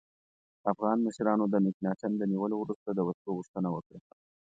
افغان مشرانو د مکناتن د نیولو وروسته د وسلو غوښتنه وکړه.